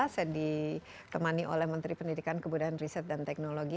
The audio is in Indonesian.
saya ditemani oleh menteri pendidikan kebudayaan riset dan teknologi